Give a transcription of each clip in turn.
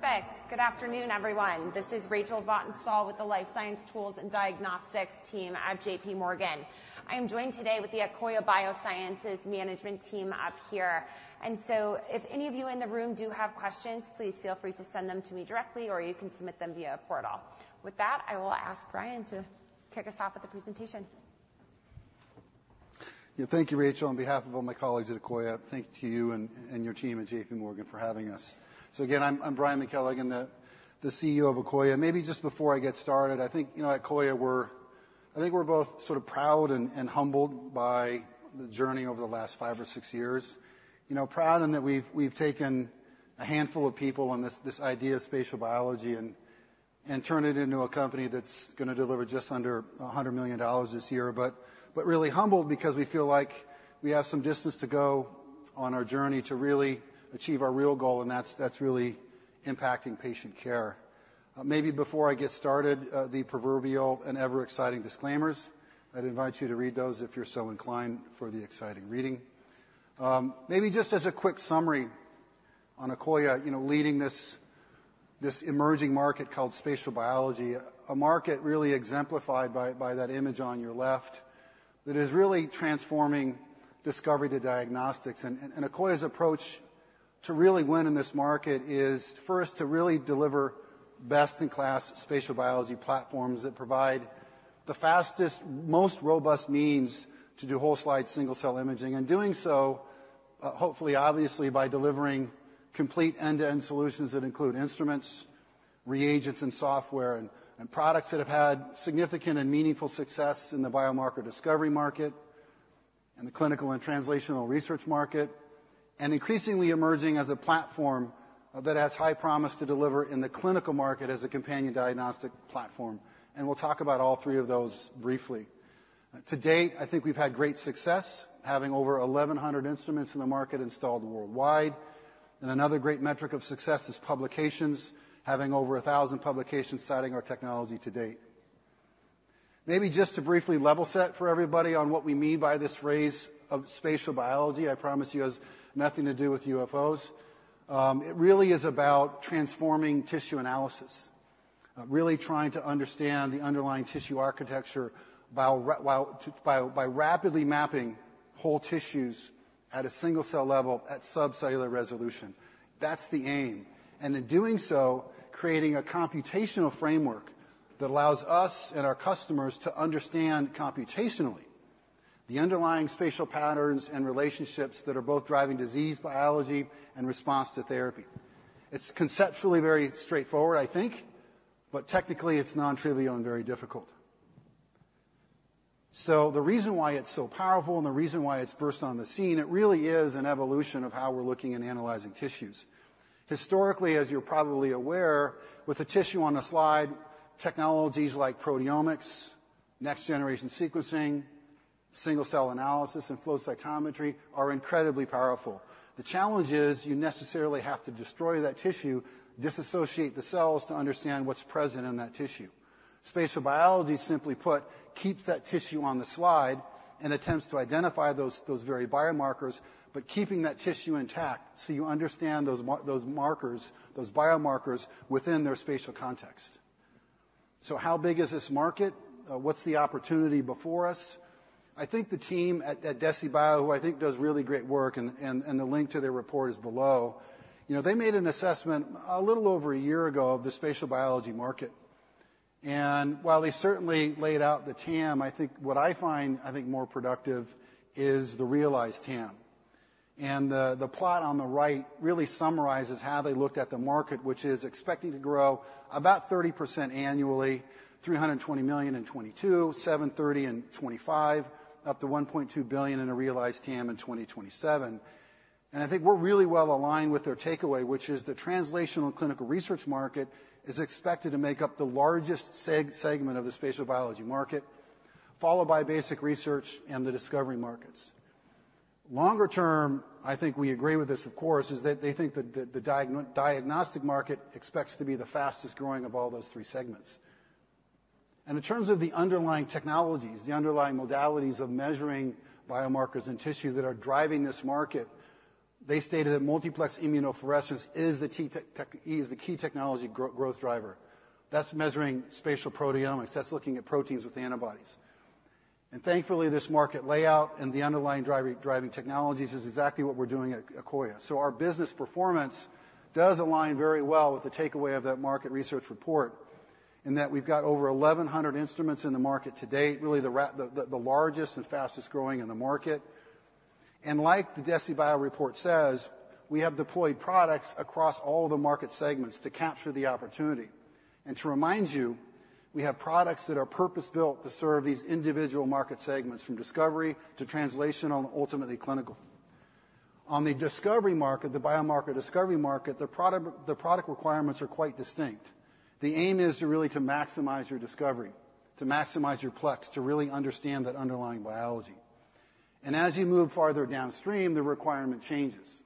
Perfect! Good afternoon, everyone. This is Rachel Vatnsdal with the Life Science Tools and Diagnostics team at JPMorgan. I am joined today with the Akoya Biosciences management team up here, and so if any of you in the room do have questions, please feel free to send them to me directly, or you can submit them via portal. With that, I will ask Brian to kick us off with the presentation. Yeah. Thank you, Rachel. On behalf of all my colleagues at Akoya, thank you to you and, and your team at JPMorgan for having us. So again, I'm, I'm Brian McKelligon, the, the CEO of Akoya. Maybe just before I get started, I think, you know, at Akoya, we're. I think we're both sort of proud and, and humbled by the journey over the last five or six years. You know, proud in that we've, we've taken a handful of people on this, this idea of spatial biology and, and turn it into a company that's gonna deliver just under $100 million this year. But, but really humbled because we feel like we have some distance to go on our journey to really achieve our real goal, and that's, that's really impacting patient care. Maybe before I get started, the proverbial and ever exciting disclaimers, I'd invite you to read those if you're so inclined, for the exciting reading. Maybe just as a quick summary on Akoya, you know, leading this emerging market called spatial biology. A market really exemplified by that image on your left, that is really transforming discovery to diagnostics. And Akoya's approach to really win in this market is first to really deliver best-in-class spatial biology platforms that provide the fastest, most robust means to do whole-slide, single-cell imaging. And doing so, hopefully, obviously, by delivering complete end-to-end solutions that include instruments, reagents, and software, and products that have had significant and meaningful success in the biomarker discovery market, and the clinical and translational research market. Increasingly emerging as a platform that has high promise to deliver in the clinical market as a companion diagnostic platform, and we'll talk about all three of those briefly. To date, I think we've had great success having over 1,100 instruments in the market installed worldwide. Another great metric of success is publications, having over 1,000 publications citing our technology to date. Maybe just to briefly level set for everybody on what we mean by this phrase of Spatial Biology, I promise you, it has nothing to do with UFOs. It really is about transforming tissue analysis, really trying to understand the underlying tissue architecture by rapidly mapping whole tissues at a single-cell level, at subcellular resolution. That's the aim. In doing so, creating a computational framework that allows us and our customers to understand computationally the underlying spatial patterns and relationships that are both driving disease, biology, and response to therapy. It's conceptually very straightforward, I think, but technically it's non-trivial and very difficult. The reason why it's so powerful and the reason why it's burst on the scene, it really is an evolution of how we're looking and analyzing tissues. Historically, as you're probably aware, with a tissue on a slide, technologies like proteomics, next-generation sequencing, single-cell analysis, and flow cytometry are incredibly powerful. The challenge is, you necessarily have to destroy that tissue, dissociate the cells to understand what's present in that tissue. Spatial biology, simply put, keeps that tissue on the slide and attempts to identify those very biomarkers, but keeping that tissue intact so you understand those markers, those biomarkers within their spatial context. So how big is this market? What's the opportunity before us? I think the team at DeciBio, who I think does really great work and the link to their report is below. You know, they made an assessment a little over a year ago of the spatial biology market, and while they certainly laid out the TAM, I think what I find more productive is the realized TAM. And the plot on the right really summarizes how they looked at the market, which is expecting to grow about 30% annually, $320 million in 2022, $730 million in 2025, up to $1.2 billion in a realized TAM in 2027. And I think we're really well aligned with their takeaway, which is the translational clinical research market, is expected to make up the largest segment of the spatial biology market, followed by basic research and the discovery markets. Longer term, I think we agree with this, of course, is that they think that the diagnostic market expects to be the fastest growing of all those three segments. In terms of the underlying technologies, the underlying modalities of measuring biomarkers and tissues that are driving this market, they stated that multiplex immunofluorescence is the key technology growth driver. That's measuring spatial proteomics, that's looking at proteins with antibodies. And thankfully, this market layout and the underlying driving technologies is exactly what we're doing at Akoya. So our business performance does align very well with the takeaway of that market research report, in that we've got over 1,100 instruments in the market to date. Really, the largest and fastest growing in the market. And like the DeciBio report says, we have deployed products across all the market segments to capture the opportunity. And to remind you, we have products that are purpose-built to serve these individual market segments, from discovery to translational and ultimately clinical. On the discovery market, the biomarker discovery market, the product, the product requirements are quite distinct. The aim is to really maximize your discovery, to maximize your plex, to really understand that underlying biology. As you move farther downstream, the requirement changes.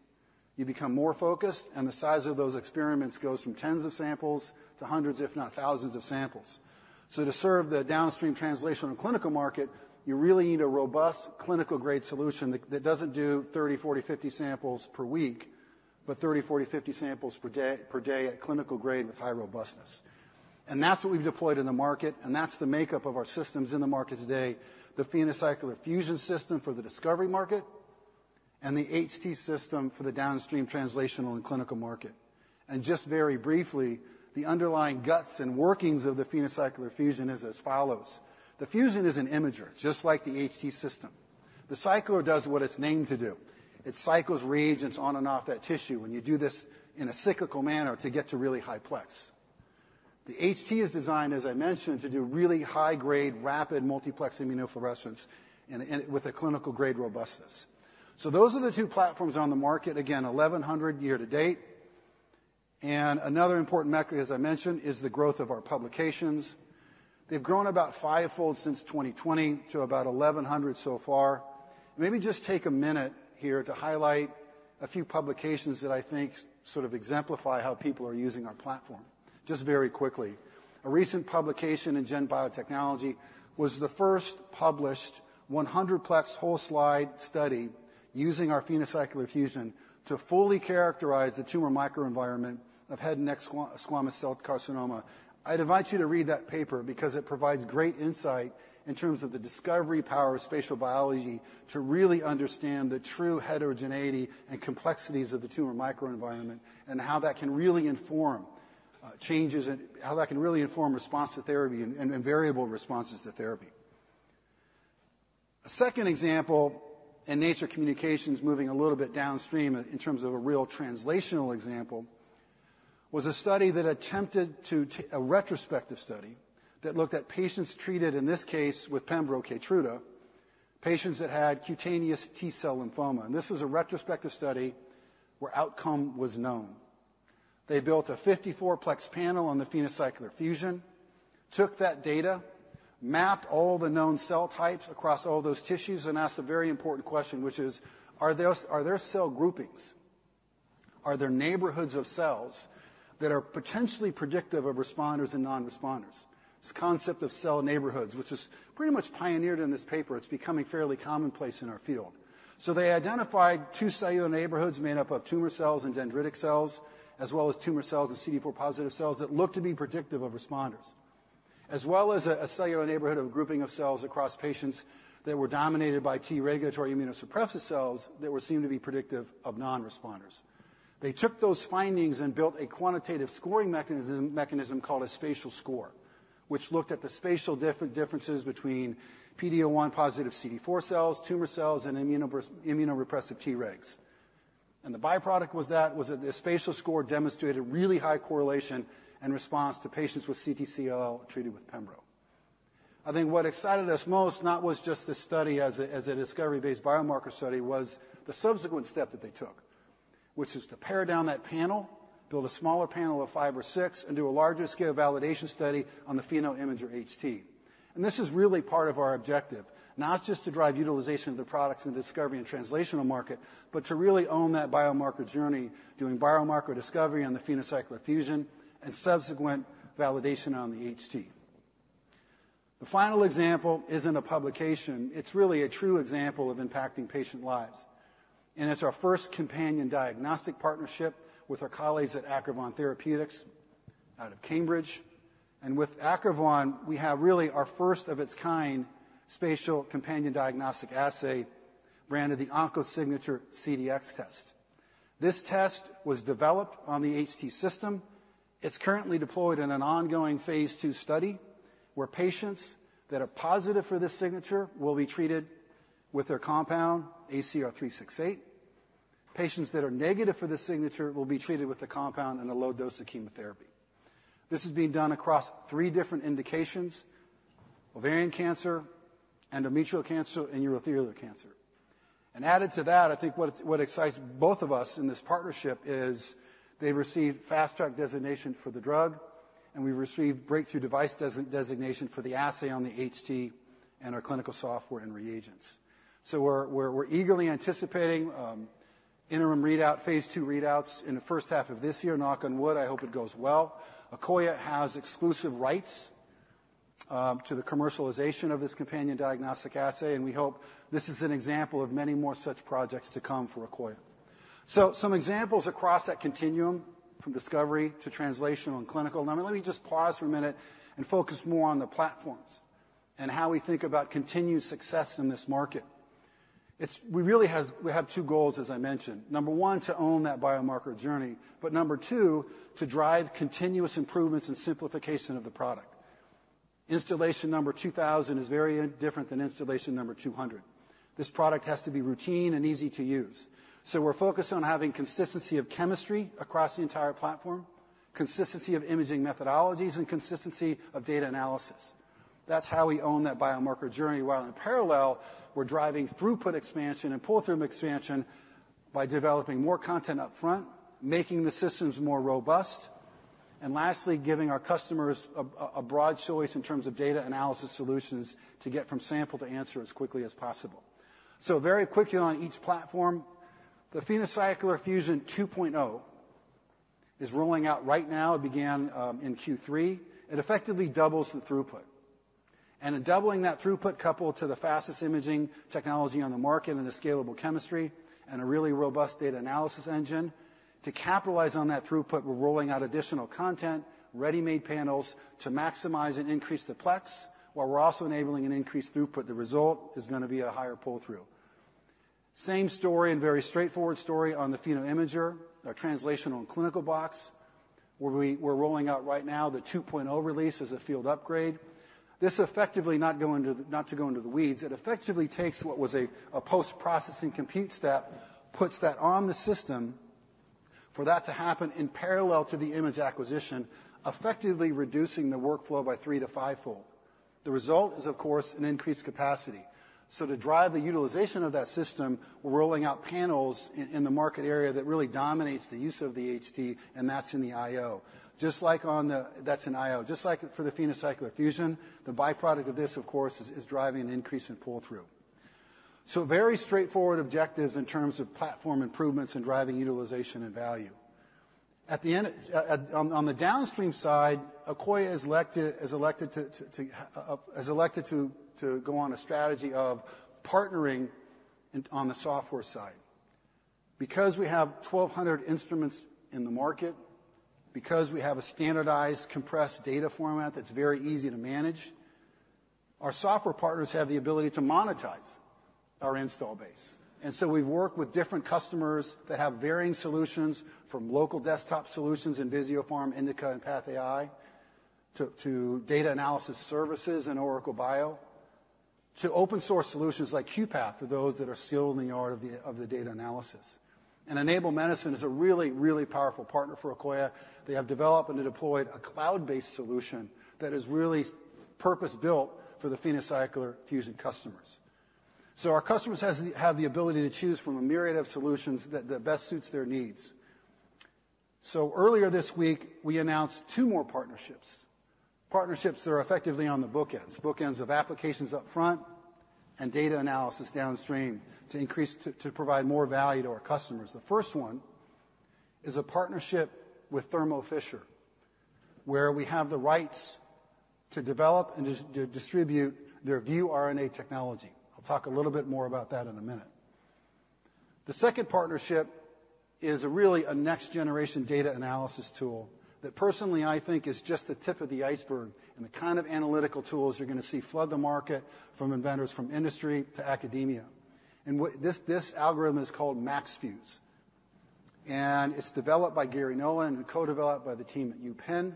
You become more focused, and the size of those experiments goes from tens of samples to hundreds, if not thousands of samples. To serve the downstream translation and clinical market, you really need a robust clinical-grade solution that doesn't do 30, 40, 50 samples per week, but 30, 40, 50 samples per day, per day at clinical grade with high robustness. That's what we've deployed in the market, and that's the makeup of our systems in the market today. The PhenoCycler-Fusion system for the discovery market and the HT system for the downstream translational and clinical market. Just very briefly, the underlying guts and workings of the PhenoCycler-Fusion is as follows: The Fusion is an imager, just like the HT system. The Cycler does what it's named to do. It cycles reagents on and off that tissue, when you do this in a cyclical manner to get to really high plex. The HT is designed, as I mentioned, to do really high grade, rapid, multiplex immunofluorescence with a clinical grade robustness. So those are the two platforms on the market. Again, 1,100 year to date. Another important metric, as I mentioned, is the growth of our publications. They've grown about fivefold since 2020 to about 1,100 so far. Maybe just take a minute here to highlight a few publications that I think sort of exemplify how people are using our platform. Just very quickly. A recent publication in GEN Biotechnology was the first published 100-plex whole slide study using our PhenoCycler-Fusion to fully characterize the tumor microenvironment of head and neck squamous cell carcinoma. I'd invite you to read that paper because it provides great insight in terms of the discovery power of spatial biology, to really understand the true heterogeneity and complexities of the tumor microenvironment, and how that can really inform response to therapy and variable responses to therapy. A second example in Nature Communications, moving a little bit downstream in terms of a real translational example, was a study that attempted to take a retrospective study that looked at patients treated, in this case, with Pembro Keytruda, patients that had cutaneous T-cell lymphoma, and this was a retrospective study where outcome was known. They built a 54-plex panel on the PhenoCycler-Fusion, took that data, mapped all the known cell types across all those tissues, and asked a very important question, which is: Are there cell groupings? Are there neighborhoods of cells that are potentially predictive of responders and non-responders? This concept of cell neighborhoods, which is pretty much pioneered in this paper, it's becoming fairly commonplace in our field. So they identified two cellular neighborhoods made up of tumor cells and dendritic cells, as well as tumor cells and CD4-positive cells that looked to be predictive of responders. As well as a cellular neighborhood of grouping of cells across patients that were dominated by T-regulatory immunosuppressive cells that were seemed to be predictive of non-responders. They took those findings and built a quantitative scoring mechanism called a spatial score, which looked at the spatial differences between PD-L1 positive CD4 cells, tumor cells, and immunorepressive T regs. And the byproduct was that the spatial score demonstrated really high correlation and response to patients with CTCL treated with pembro. I think what excited us most was not just the study as a discovery-based biomarker study, but the subsequent step that they took, which is to pare down that panel, build a smaller panel of five or six, and do a larger scale validation study on the PhenoImager HT. And this is really part of our objective not just to drive utilization of the products in the discovery and translational market, but to really own that biomarker journey, doing biomarker discovery on the PhenoCycler Fusion and subsequent validation on the HT. The final example isn't a publication. It's really a true example of impacting patient lives, and it's our first companion diagnostic partnership with our colleagues at Acrivon Therapeutics out of Cambridge. With Acrivon, we have really our first of its kind spatial companion diagnostic assay, branded the OncoSignature CDx test. This test was developed on the HT system. It's currently deployed in an ongoing phase 2 study, where patients that are positive for this signature will be treated with their compound, ACR-368. Patients that are negative for this signature will be treated with the compound and a low dose of chemotherapy. This is being done across three different indications: ovarian cancer, endometrial cancer, and urothelial cancer. And added to that, I think what, what excites both of us in this partnership is they received fast track designation for the drug, and we received breakthrough device designation for the assay on the HT and our clinical software and reagents. So we're eagerly anticipating interim readout, phase 2 readouts in the first half of this year. Knock on wood, I hope it goes well. Akoya has exclusive rights to the commercialization of this companion diagnostic assay, and we hope this is an example of many more such projects to come for Akoya. So some examples across that continuum from discovery to translational and clinical. Now, let me just pause for a minute and focus more on the platforms and how we think about continued success in this market. It's... We really have two goals, as I mentioned. 1, to own that biomarker journey, but 2, to drive continuous improvements and simplification of the product. Installation number 2,000 is very different than installation number 200. This product has to be routine and easy to use. So we're focused on having consistency of chemistry across the entire platform, consistency of imaging methodologies, and consistency of data analysis. That's how we own that biomarker journey, while in parallel, we're driving throughput expansion and pull-through expansion by developing more content up front, making the systems more robust, and lastly, giving our customers a broad choice in terms of data analysis solutions to get from sample to answer as quickly as possible. So very quickly on each platform, the PhenoCycler-Fusion 2.0 is rolling out right now. It began in Q3. It effectively doubles the throughput. In doubling that throughput, coupled to the fastest imaging technology on the market and the scalable chemistry and a really robust data analysis engine, to capitalize on that throughput, we're rolling out additional content, ready-made panels, to maximize and increase the plex, while we're also enabling an increased throughput. The result is going to be a higher pull-through. Same story and very straightforward story on the PhenoImager, our translational and clinical box, where we're rolling out right now the 2.0 release as a field upgrade. This effectively, not to go into the weeds, effectively takes what was a post-processing compute step, puts that on the system for that to happen in parallel to the image acquisition, effectively reducing the workflow by 3- to 5-fold. The result is, of course, an increased capacity. So to drive the utilization of that system, we're rolling out panels in the market area that really dominates the use of the HT, and that's in the IO. Just like for the PhenoCycler Fusion, the byproduct of this, of course, is driving an increase in pull-through. So very straightforward objectives in terms of platform improvements and driving utilization and value. At the end, on the downstream side, Akoya has elected to go on a strategy of partnering on the software side. Because we have 1,200 instruments in the market, because we have a standardized compressed data format that's very easy to manage, our software partners have the ability to monetize our install base. And so we've worked with different customers that have varying solutions, from local desktop solutions in Visiopharm, Indica, and PathAI, to data analysis services in OracleBio, to open source solutions like QuPath for those that are still in the art of the data analysis. And Enable Medicine is a really, really powerful partner for Akoya. They have developed and deployed a cloud-based solution that is really purpose-built for the PhenoCycler-Fusion customers. So our customers has the-- have the ability to choose from a myriad of solutions that best suits their needs. So earlier this week, we announced two more partnerships that are effectively on the bookends of applications up front and data analysis downstream, to increase... To provide more value to our customers. The first one is a partnership with Thermo Fisher, where we have the rights to develop and distribute their ViewRNA technology. I'll talk a little bit more about that in a minute. The second partnership is really a next-generation data analysis tool that personally I think is just the tip of the iceberg and the kind of analytical tools you're going to see flood the market from inventors, from industry to academia. This algorithm is called MaxFuse, and it's developed by Garry Nolan and co-developed by the team at UPenn,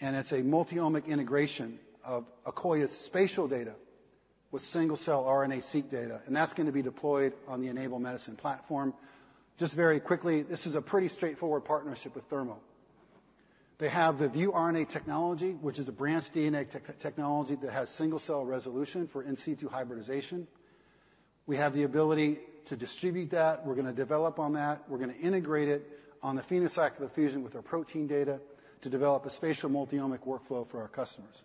and it's a multi-omic integration of Akoya's spatial data with single-cell RNA-seq data, and that's going to be deployed on the Enable Medicine platform. Just very quickly, this is a pretty straightforward partnership with Thermo. They have the ViewRNA technology, which is a branched DNA tech, technology that has single-cell resolution for in situ hybridization. We have the ability to distribute that. We're going to develop on that. We're going to integrate it on the PhenoCycler Fusion with our protein data to develop a spatial multi-omic workflow for our customers.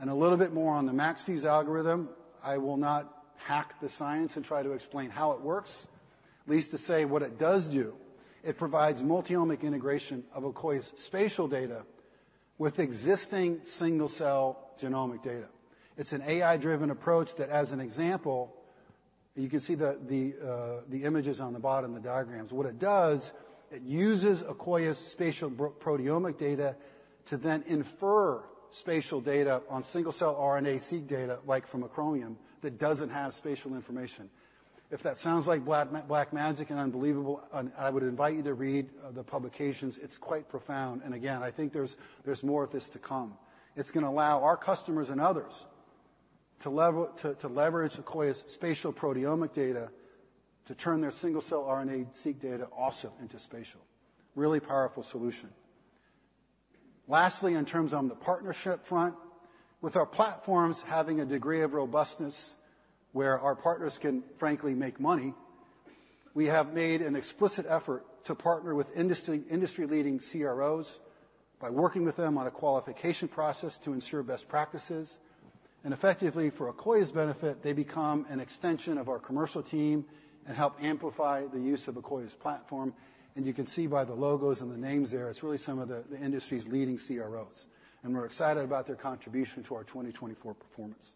And a little bit more on the MaxFuse algorithm. I will not hack the science and try to explain how it works. At least to say what it does do, it provides multi-omic integration of Akoya's spatial data with existing single-cell genomic data. It's an AI-driven approach that as an example, you can see the, the, the images on the bottom, the diagrams. What it does, it uses Akoya's spatial proteomic data to then infer spatial data on single-cell RNA-seq data, like from a Chromium, that doesn't have spatial information. If that sounds like black magic and unbelievable, I would invite you to read the publications. It's quite profound, and again, I think there's more of this to come. It's going to allow our customers and others to leverage Akoya's spatial proteomic data to turn their single-cell RNA-seq data also into spatial. Really powerful solution. Lastly, in terms of the partnership front, with our platforms having a degree of robustness where our partners can frankly make money, we have made an explicit effort to partner with industry-leading CROs by working with them on a qualification process to ensure best practices. And effectively, for Akoya's benefit, they become an extension of our commercial team and help amplify the use of Akoya's platform. You can see by the logos and the names there, it's really some of the industry's leading CROs, and we're excited about their contribution to our 2024 performance.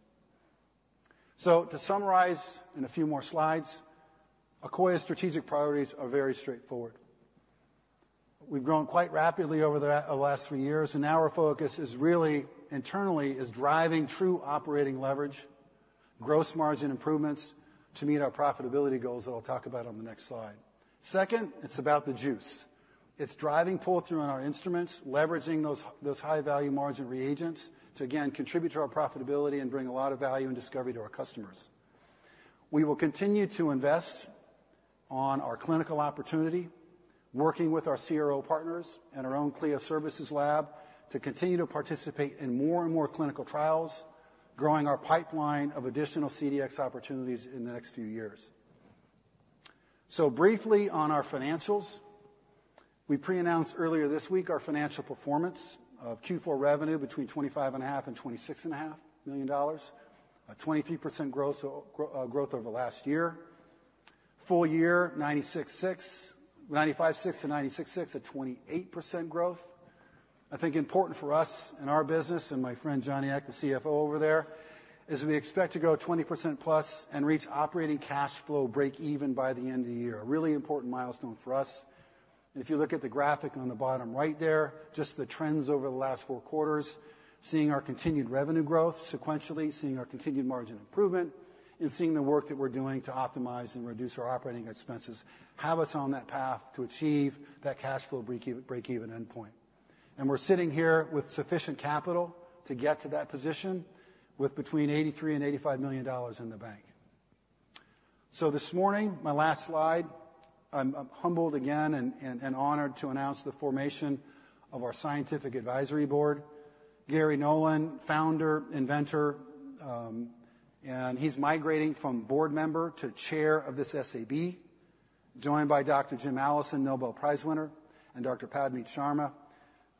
To summarize in a few more slides, Akoya's strategic priorities are very straightforward. We've grown quite rapidly over the last 3 years, and now our focus is really internally, is driving true operating leverage, gross margin improvements to meet our profitability goals that I'll talk about on the next slide. Second, it's about the juice. It's driving pull-through on our instruments, leveraging those high-value margin reagents to again, contribute to our profitability and bring a lot of value and discovery to our customers. We will continue to invest on our clinical opportunity, working with our CRO partners and our own CLIA services lab, to continue to participate in more and more clinical trials, growing our pipeline of additional CDx opportunities in the next few years. Briefly on our financials, we pre-announced earlier this week our financial performance of Q4 revenue between $25.5 million and $26.5 million. A 23% growth, growth over the last year. Full year, $96.6 million, $95.6-$96.6 million, a 28% growth. I think important for us and our business and my friend Johnny Ek, the CFO over there, is we expect to grow 20%+ and reach operating cash flow break even by the end of the year. A really important milestone for us. If you look at the graphic on the bottom right there, just the trends over the last four quarters, seeing our continued revenue growth sequentially, seeing our continued margin improvement, and seeing the work that we're doing to optimize and reduce our operating expenses, have us on that path to achieve that cash flow break even, break even endpoint. And we're sitting here with sufficient capital to get to that position with between $83 million and $85 million in the bank. So this morning, my last slide, I'm humbled again and honored to announce the formation of our scientific advisory board. Garry Nolan, founder, inventor, and he's migrating from board member to chair of this SAB, joined by Dr. James Allison, Nobel Prize winner, and Dr. Padmanee Sharma,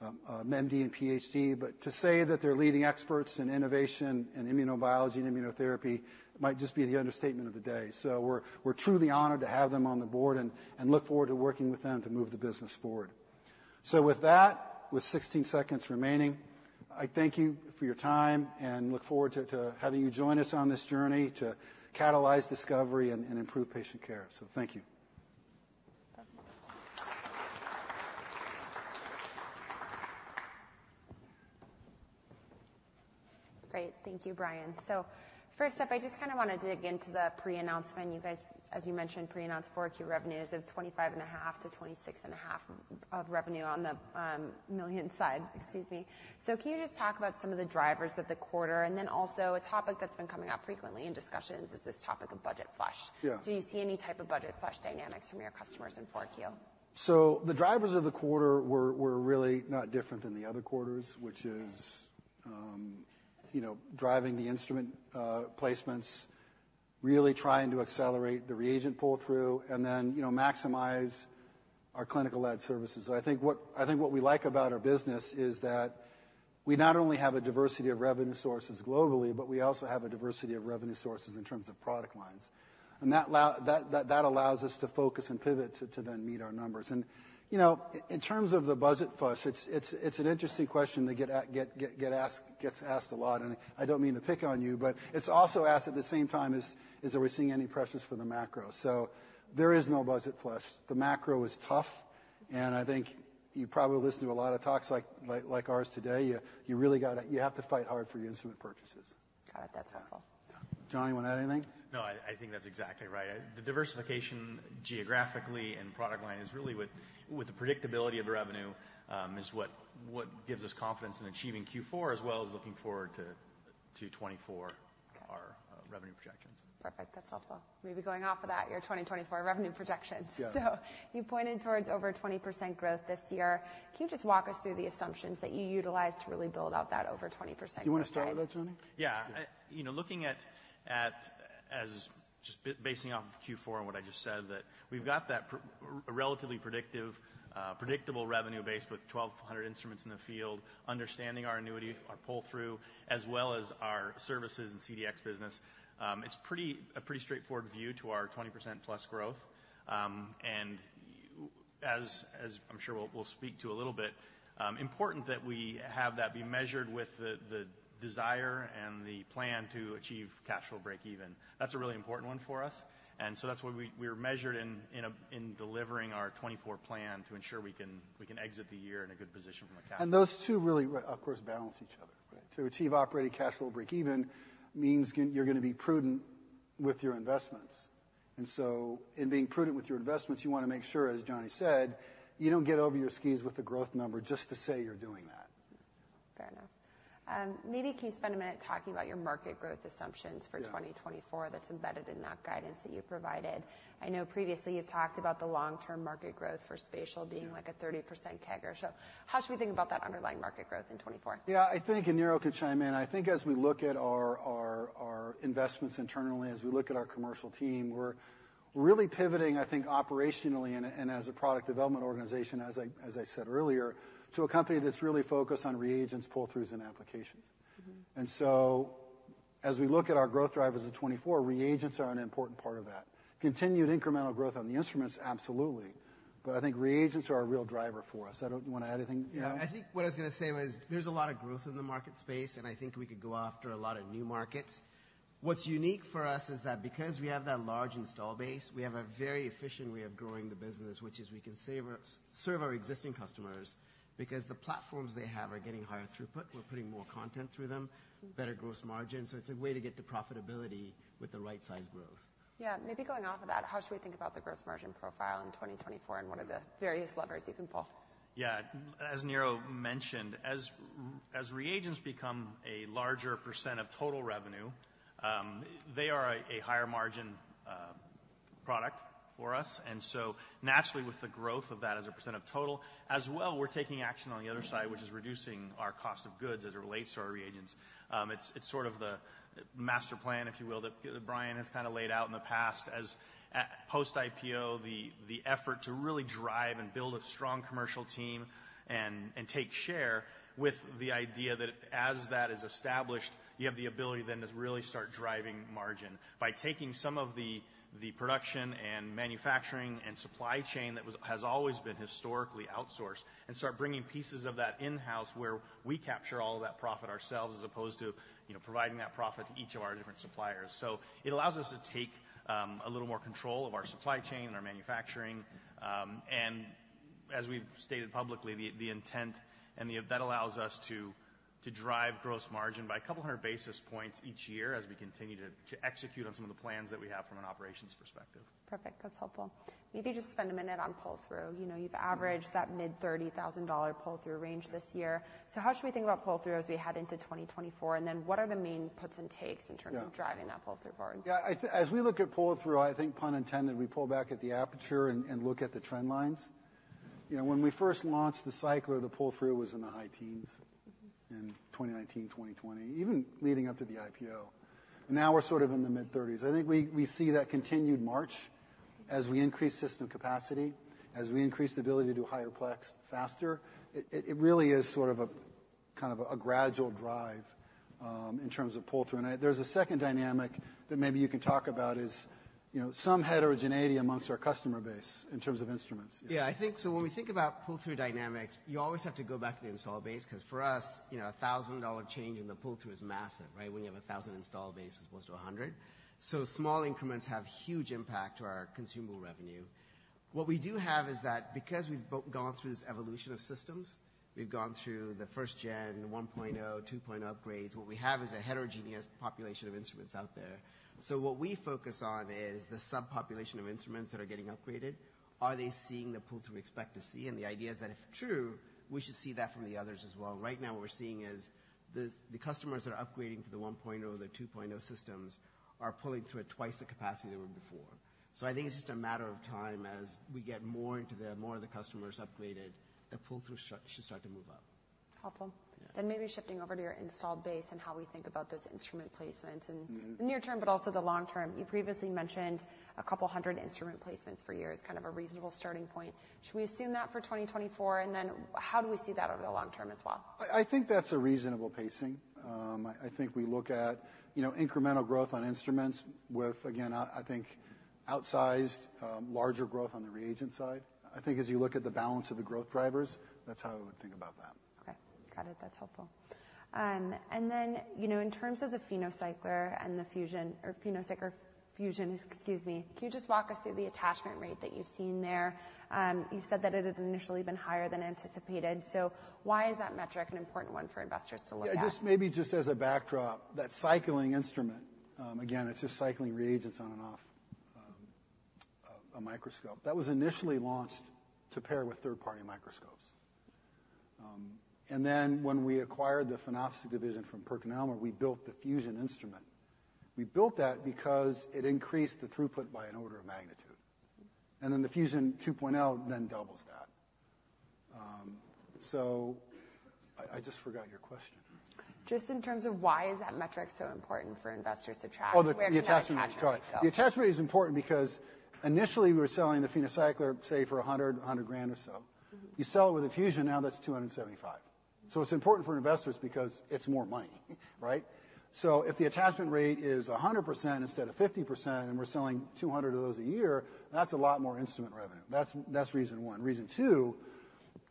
a MD and PhD. But to say that they're leading experts in innovation and immunobiology and immunotherapy might just be the understatement of the day. So we're, we're truly honored to have them on the board and, and look forward to working with them to move the business forward. So with that, with 16 seconds remaining, I thank you for your time and look forward to, to having you join us on this journey to catalyze discovery and, and improve patient care. So thank you. Great. Thank you, Brian. So first up, I just kind of want to dig into the pre-announcement. You guys, as you mentioned, pre-announced Q4 key revenues of $25.5-$26.5 million. Excuse me. So can you just talk about some of the drivers of the quarter? And then also a topic that's been coming up frequently in discussions is this topic of budget flush. Yeah. Do you see any type of budget flush dynamics from your customers in Q4? So the drivers of the quarter were really not different than the other quarters, which is, you know, driving the instrument placements, really trying to accelerate the reagent pull-through and then, you know, maximize our clinical-led services. So I think what we like about our business is that we not only have a diversity of revenue sources globally, but we also have a diversity of revenue sources in terms of product lines. And that allows us to focus and pivot to then meet our numbers. And, you know, in terms of the budget flush, it's an interesting question that gets asked a lot, and I don't mean to pick on you, but it's also asked at the same time as are we seeing any pressures for the macro? So there is no budget flush. The macro is tough, and I think you probably listen to a lot of talks like ours today. You really gotta... You have to fight hard for your instrument purchases. Got it. That's helpful. Johnny, you want to add anything? No, I think that's exactly right. The diversification geographically and product line is really with the predictability of the revenue is what gives us confidence in achieving Q4, as well as looking forward to 2024- Okay. our revenue projections. Perfect. That's helpful. Maybe going off of that, your 2024 revenue projections? Yeah. You pointed towards over 20% growth this year. Can you just walk us through the assumptions that you utilized to really build out that over 20% growth? You want to start with that, Johnny? Yeah. Yeah. You know, looking at as just basing off of Q4 and what I just said, that we've got that. A relatively predictive, predictable revenue base with 1,200 instruments in the field, understanding our annuity, our pull-through, as well as our services and CDx business. It's a pretty straightforward view to our 20%+ growth. And as I'm sure we'll speak to a little bit, important that we have that be measured with the desire and the plan to achieve cash flow break even. That's a really important one for us, and so that's what we are measured in delivering our 2024 plan to ensure we can exit the year in a good position from a cash flow. Those two really, of course, balance each other, right? To achieve operating cash flow break even means you're gonna be prudent with your investments. And so in being prudent with your investments, you want to make sure, as Johnny said, you don't get over your skis with a growth number just to say you're doing that. Fair enough. Maybe can you spend a minute talking about your market growth assumptions for- Yeah 2024 that's embedded in that guidance that you provided? I know previously you've talked about the long-term market growth for spatial being like a 30% CAGR. So how should we think about that underlying market growth in 2024? Yeah, I think, and Niro can chime in. I think as we look at our investments internally, as we look at our commercial team, we're really pivoting, I think, operationally and as a product development organization, as I said earlier, to a company that's really focused on reagents, pull-throughs, and applications. Mm-hmm. So as we look at our growth drivers of 2024, reagents are an important part of that. Continued incremental growth on the instruments, absolutely, but I think reagents are a real driver for us. I don't... You want to add anything, Niro? Yeah. I think what I was gonna say was, there's a lot of growth in the market space, and I think we could go after a lot of new markets. What's unique for us is that because we have that large installed base, we have a very efficient way of growing the business, which is we can serve our existing customers because the platforms they have are getting higher throughput. We're putting more content through them- Mm-hmm. better gross margin, so it's a way to get the profitability with the right size growth. Yeah. Maybe going off of that, how should we think about the gross margin profile in 2024, and what are the various levers you can pull? Yeah, as Niro mentioned, as reagents become a larger % of total revenue, they are a higher margin product for us. Naturally, with the growth of that as a % of total, as well, we're taking action on the other side, which is reducing our cost of goods as it relates to our reagents. It's sort of the master plan, if you will, that Brian has kind of laid out in the past as at post-IPO, the effort to really drive and build a strong commercial team and take share with the idea that as that is established, you have the ability then to really start driving margin. By taking some of the production and manufacturing and supply chain that has always been historically outsourced, and start bringing pieces of that in-house, where we capture all of that profit ourselves, as opposed to, you know, providing that profit to each of our different suppliers. So it allows us to take a little more control of our supply chain and our manufacturing. And as we've stated publicly, the intent and the. That allows us to drive gross margin by a couple hundred basis points each year as we continue to execute on some of the plans that we have from an operations perspective. Perfect. That's helpful. Maybe just spend a minute on pull-through. You know, you've averaged that mid-$30,000 pull-through range this year. So how should we think about pull-through as we head into 2024? And then what are the main puts and takes in terms- Yeah. of driving that pull-through forward? Yeah, as we look at pull-through, I think, pun intended, we pull back at the aperture and look at the trend lines. You know, when we first launched the cycler, the pull-through was in the high teens in 2019, 2020, even leading up to the IPO. Now we're sort of in the mid thirties. I think we see that continued march as we increase system capacity, as we increase the ability to do higher plex faster. It really is sort of a kind of a gradual drive in terms of pull-through. And there's a second dynamic that maybe you can talk about is, you know, some heterogeneity amongst our customer base in terms of instruments. Yeah, I think so when we think about pull-through dynamics, you always have to go back to the install base, because for us, you know, a $1,000 change in the pull-through is massive, right? When you have a 1,000 install base as opposed to 100. So small increments have huge impact to our consumable revenue. What we do have is that because we've been through this evolution of systems, we've gone through the first gen, 1.0, 2.0 upgrades. What we have is a heterogeneous population of instruments out there. So what we focus on is the subpopulation of instruments that are getting upgraded. Are they seeing the pull-through we expect to see? And the idea is that if true, we should see that from the others as well. Right now, what we're seeing is the customers that are upgrading to the 1.0, the 2.0 systems, are pulling through at twice the capacity they were before. So I think it's just a matter of time as we get more of the customers upgraded, the pull-through should start to move up. Helpful. Yeah. Maybe shifting over to your installed base and how we think about those instrument placements in- Mm-hmm. the near term, but also the long term. You previously mentioned a couple hundred instrument placements for you is kind of a reasonable starting point. Should we assume that for 2024? And then how do we see that over the long term as well? I think that's a reasonable pacing. I think we look at, you know, incremental growth on instruments with, again, I think, outsized, larger growth on the reagent side. I think as you look at the balance of the growth drivers, that's how I would think about that. Okay, got it. That's helpful. And then, you know, in terms of the PhenoCycler and the Fusion or PhenoCycler Fusion, excuse me, can you just walk us through the attachment rate that you've seen there? You said that it had initially been higher than anticipated. So why is that metric an important one for investors to look at? Yeah, just maybe just as a backdrop, that cycling instrument, again, it's just cycling reagents on and off, a microscope. That was initially launched to pair with third-party microscopes. And then when we acquired the Phenoptics division from PerkinElmer, we built the Fusion instrument. We built that because it increased the throughput by an order of magnitude, and then the Fusion 2.0 then doubles that. So I just forgot your question. Just in terms of why is that metric so important for investors to track? Oh, the attachment- Where did that attachment go? The attachment is important because initially we were selling the PhenoCycler, say, for $100,000 or so. Mm-hmm. You sell it with a Fusion, now that's $275. So it's important for investors because it's more money, right? So if the attachment rate is 100% instead of 50%, and we're selling 200 of those a year, that's a lot more instrument revenue. That's, that's reason one. Reason two,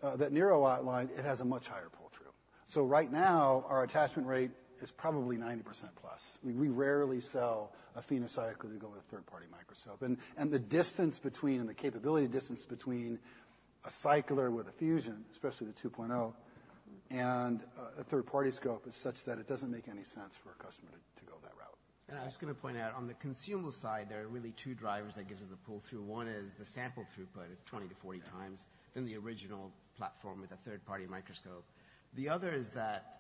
that Niro outline, it has a much higher pull-through. So right now, our attachment rate is probably 90% plus. We, we rarely sell a PhenoCycler to go with a third-party microscope. And, and the distance between, the capability distance between a cycler with a Fusion, especially the 2.0, and a, a third-party scope, is such that it doesn't make any sense for a customer to, to go that route. I was gonna point out on the consumable side, there are really two drivers that gives us the pull-through. One is the sample throughput is 20-40x- Yeah... than the original platform with a third-party microscope. The other is that,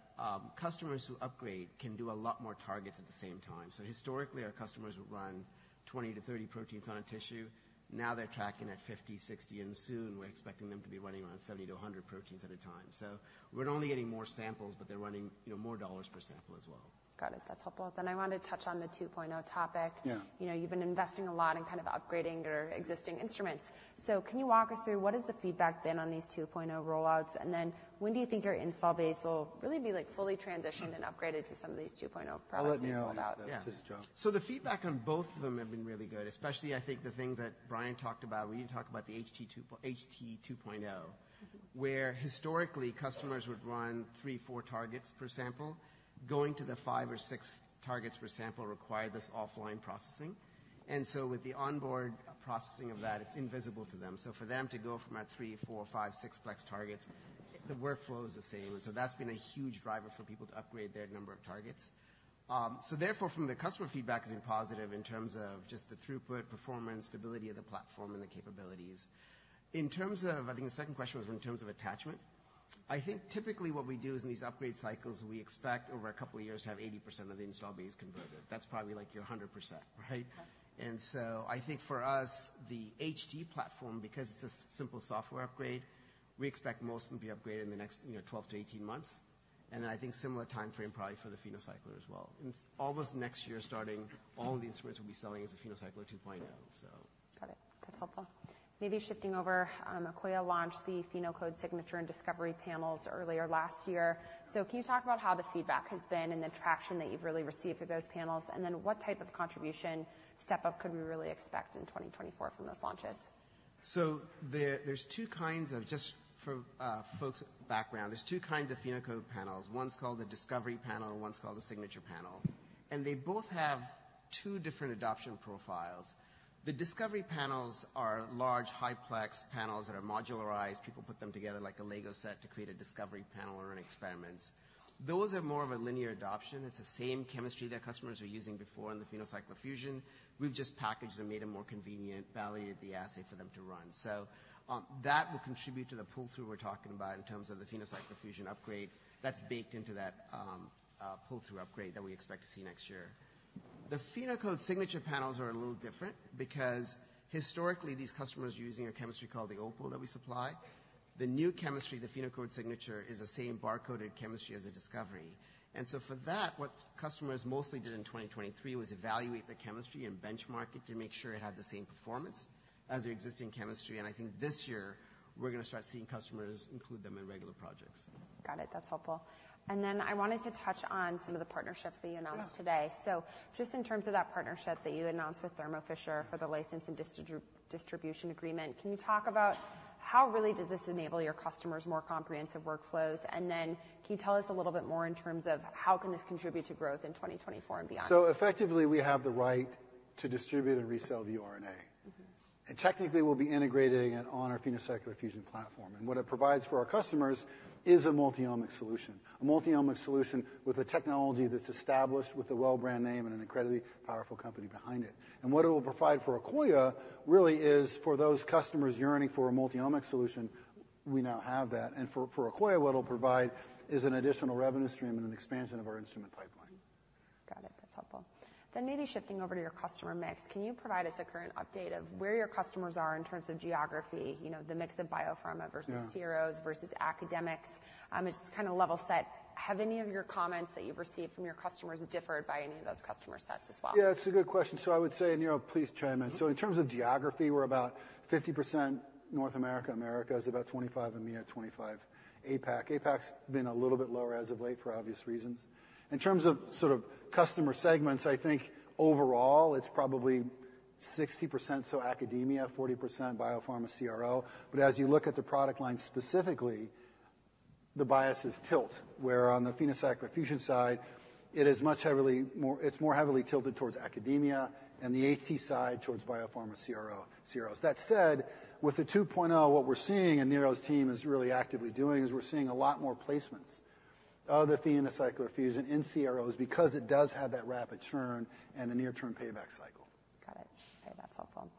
customers who upgrade can do a lot more targets at the same time. So historically, our customers would run 20-30 proteins on a tissue. Now they're tracking at 50, 60, and soon we're expecting them to be running around 70-100 proteins at a time. So we're not only getting more samples, but they're running, you know, more $ per sample as well. Got it. That's helpful. I want to touch on the 2.0 topic. Yeah. You know, you've been investing a lot in kind of upgrading your existing instruments. So can you walk us through what has the feedback been on these 2.0 rollouts? And then when do you think your install base will really be, like, fully transitioned and upgraded to some of these 2.0 products- I'll let Niro- Rollout. Yeah. So the feedback on both of them have been really good, especially I think the thing that Brian talked about when you talk about the HT 2.0, where historically, customers would run 3, 4 targets per sample. Going to the 5 or 6 targets per sample required this offline processing, and so with the onboard processing of that, it's invisible to them. So for them to go from a 3, 4, 5, 6 plex targets, the workflow is the same. So that's been a huge driver for people to upgrade their number of targets. So therefore, from the customer, feedback has been positive in terms of just the throughput, performance, stability of the platform, and the capabilities. In terms of... I think the second question was in terms of attachment? ... I think typically what we do is in these upgrade cycles, we expect over a couple of years to have 80% of the install base converted. That's probably like your 100%, right? And so I think for us, the HT platform, because it's a simple software upgrade, we expect most of them to be upgraded in the next, you know, 12-18 months, and then I think similar time frame probably for the PhenoCycler as well. And almost next year, starting, all the instruments we'll be selling is a PhenoCycler 2.0, so. Got it. That's helpful. Maybe shifting over, Akoya launched the PhenoCode Signature and Discovery Panels earlier last year. So can you talk about how the feedback has been and the traction that you've really received for those panels, and then what type of contribution step up could we really expect in 2024 from those launches? Just for folks' background, there's two kinds of PhenoCode panels. One's called the Discovery panel, and one's called the Signature panel, and they both have two different adoption profiles. The Discovery panels are large, high-plex panels that are modularized. People put them together like a Lego set to create a Discovery panel or run experiments. Those have more of a linear adoption. It's the same chemistry that customers were using before in the PhenoCycler Fusion. We've just packaged and made it more convenient, validated the assay for them to run. So, that will contribute to the pull-through we're talking about in terms of the PhenoCycler Fusion upgrade. That's baked into that, pull-through upgrade that we expect to see next year. The PhenoCode Signature Panels are a little different because historically, these customers were using a chemistry called the Opal that we supply. The new chemistry, the PhenoCode Signature, is the same bar-coded chemistry as the Discovery. And so for that, what customers mostly did in 2023 was evaluate the chemistry and benchmark it to make sure it had the same performance as their existing chemistry. And I think this year, we're going to start seeing customers include them in regular projects. Got it. That's helpful. And then I wanted to touch on some of the partnerships that you announced today. Yeah. So just in terms of that partnership that you announced with Thermo Fisher for the license and distribution agreement, can you talk about how really does this enable your customers more comprehensive workflows? And then can you tell us a little bit more in terms of how can this contribute to growth in 2024 and beyond? Effectively, we have the right to distribute and resell the RNA. Mm-hmm. Technically, we'll be integrating it on our PhenoCycler-Fusion platform. What it provides for our customers is a multi-omics solution, a multi-omics solution with a technology that's established with a well brand name and an incredibly powerful company behind it. What it will provide for Akoya really is for those customers yearning for a multi-omics solution, we now have that, and for Akoya, what it'll provide is an additional revenue stream and an expansion of our instrument pipeline. Got it. That's helpful. Then maybe shifting over to your customer mix, can you provide us a current update of where your customers are in terms of geography? You know, the mix of biopharma versus- Yeah... CROs versus academics. It's just kind of level set. Have any of your comments that you've received from your customers differed by any of those customer sets as well? Yeah, it's a good question. So I would say, and, Niro, please chime in. So in terms of geography, we're about 50% North America. America is about 25%, EMEA 25%, APAC. APAC's been a little bit lower as of late, for obvious reasons. In terms of sort of customer segments, I think overall it's probably 60%, so academia, 40% biopharma CRO. But as you look at the product line, specifically, the bias is tilt, where on the PhenoCycler Fusion side, it is much heavily more... It's more heavily tilted towards academia and the HT side towards biopharma CRO, CROs. That said, with the 2.0, what we're seeing, and Niro's team is really actively doing, is we're seeing a lot more placements of the PhenoCycler Fusion in CROs because it does have that rapid churn and the near-term payback cycle. Got it. Okay, that's helpful.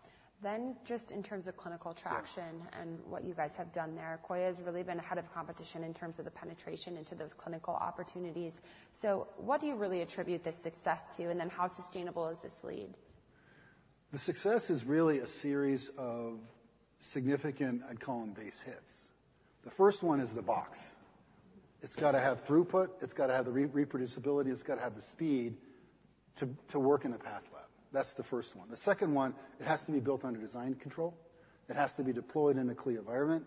Then, just in terms of clinical traction- Yeah What you guys have done there, Akoya has really been ahead of competition in terms of the penetration into those clinical opportunities. So what do you really attribute this success to, and then how sustainable is this lead? The success is really a series of significant, I'd call them, base hits. The first one is the box. It's got to have throughput, it's got to have the reproducibility, it's got to have the speed to work in the path lab. That's the first one. The second one, it has to be built under design control. It has to be deployed in a clean environment,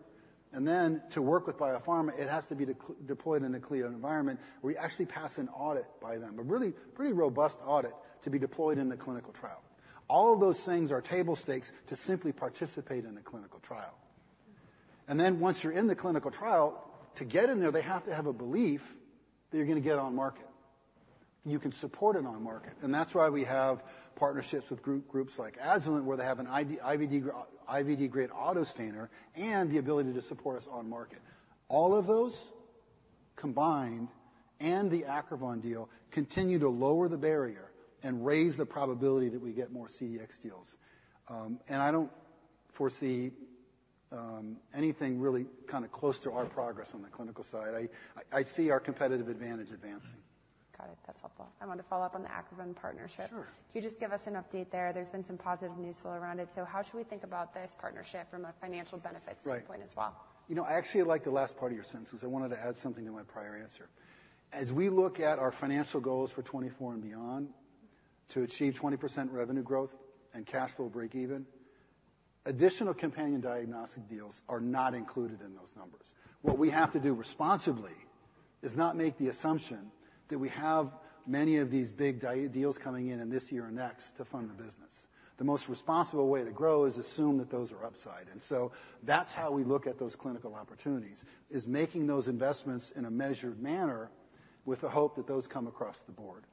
and then to work with biopharma, it has to be deployed in a clean environment, where you actually pass an audit by them, a really pretty robust audit to be deployed in the clinical trial. All of those things are table stakes to simply participate in a clinical trial. Then once you're in the clinical trial, to get in there, they have to have a belief that you're going to get on market, and you can support it on market. That's why we have partnerships with groups like Agilent, where they have an IVD-grade autostainer and the ability to support us on market. All of those combined, and the Acrivon deal, continue to lower the barrier and raise the probability that we get more CDx deals. And I don't foresee anything really kind of close to our progress on the clinical side. I see our competitive advantage advancing. Got it. That's helpful. I want to follow up on the Acrivon partnership. Sure. Can you just give us an update there? There's been some positive news flow around it. So how should we think about this partnership from a financial benefits- Right standpoint as well? You know, I actually like the last part of your sentence, because I wanted to add something to my prior answer. As we look at our financial goals for 2024 and beyond, to achieve 20% revenue growth and cash flow break even, additional companion diagnostic deals are not included in those numbers. What we have to do responsibly is not make the assumption that we have many of these big deals coming in, in this year or next, to fund the business. The most responsible way to grow is assume that those are upside, and so that's how we look at those clinical opportunities, is making those investments in a measured manner with the hope that those come across the board.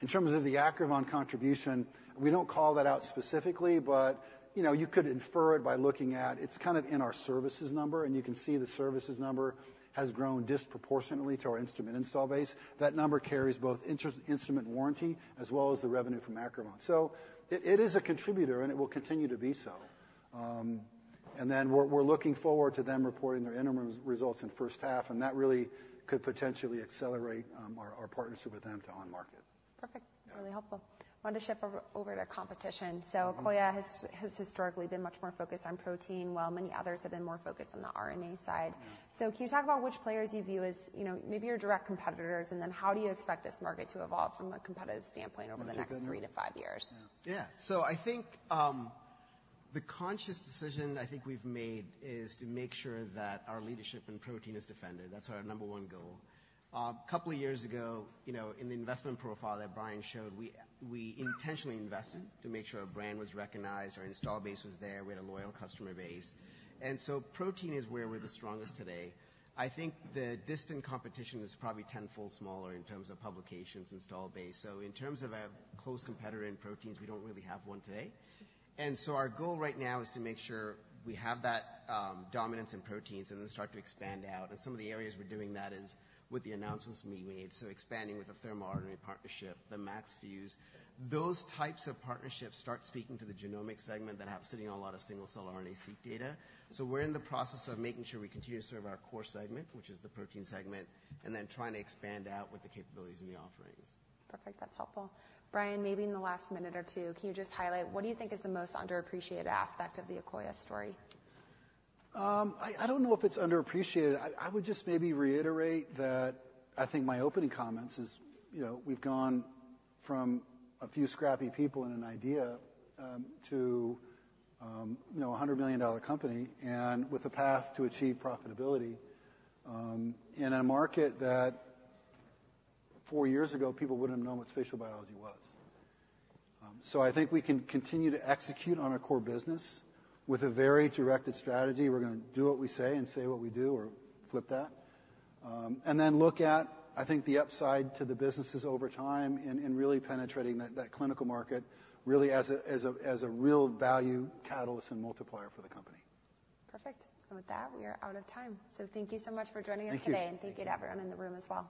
In terms of the Acrivon contribution, we don't call that out specifically, but you know, you could infer it by looking at... It's kind of in our services number, and you can see the services number has grown disproportionately to our instrument install base. That number carries both instrument warranty as well as the revenue from Acrivon. So it is a contributor, and it will continue to be so.... And then we're looking forward to them reporting their interim results in first half, and that really could potentially accelerate our partnership with them to on market. Perfect. Yeah. Really helpful. Want to shift over to competition. Mm-hmm. Akoya has historically been much more focused on protein, while many others have been more focused on the RNA side. Mm-hmm. Can you talk about which players you view as, you know, maybe your direct competitors, and then how do you expect this market to evolve from a competitive standpoint over the next- I can 3 to 5 years? Yeah. So I think the conscious decision I think we've made is to make sure that our leadership in protein is defended. That's our number one goal. Couple of years ago, you know, in the investment profile that Brian showed, we intentionally invested to make sure our brand was recognized, our install base was there, we had a loyal customer base. And so protein is where we're the strongest today. I think the distant competition is probably tenfold smaller in terms of publications, install base. So in terms of a close competitor in proteins, we don't really have one today. And so our goal right now is to make sure we have that dominance in proteins and then start to expand out. And some of the areas we're doing that is with the announcements we made, so expanding with the Thermo RNA partnership, the MaxFuse. Those types of partnerships start speaking to the genomic segment that have sitting on a lot of single-cell RNA-seq data. So we're in the process of making sure we continue to serve our core segment, which is the protein segment, and then trying to expand out with the capabilities and the offerings. Perfect. That's helpful. Brian, maybe in the last minute or two, can you just highlight what do you think is the most underappreciated aspect of the Akoya story? I don't know if it's underappreciated. I would just maybe reiterate that I think my opening comments is, you know, we've gone from a few scrappy people and an idea, to, you know, a $100 million company, and with a path to achieve profitability, in a market that four years ago, people wouldn't have known what spatial biology was. So I think we can continue to execute on our core business with a very directed strategy. We're gonna do what we say and say what we do, or flip that. And then look at, I think, the upside to the businesses over time and really penetrating that clinical market really as a real value catalyst and multiplier for the company. Perfect. With that, we are out of time. Thank you so much for joining us today. Thank you. Thank you to everyone in the room as well.